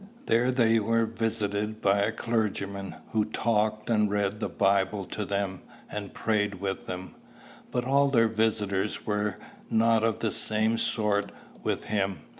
There they were visited by a clergyman, who talked and read the Bible to them, and prayed with them. But all their visitors were not of the same sort with him.